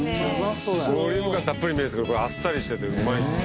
ボリュームがたっぷりに見えるんですけどこれあっさりしててうまいんですよ。